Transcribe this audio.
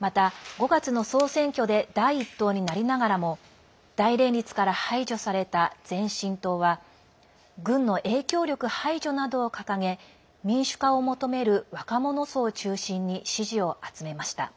また、５月の総選挙で第１党になりながらも大連立から排除された前進党は軍の影響力排除などを掲げ民主化を求める若者層を中心に支持を集めました。